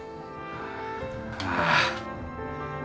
ああ。